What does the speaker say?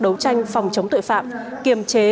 đấu tranh phòng chống tội phạm kiềm chế